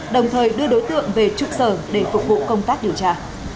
đồng thời đưa đối tượng về trục sở để phục vụ công tác điều tra